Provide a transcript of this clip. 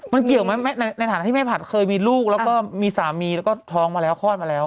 มันเกี่ยวไหมในฐานะที่แม่ผัดเคยมีลูกแล้วก็มีสามีแล้วก็ท้องมาแล้วคลอดมาแล้ว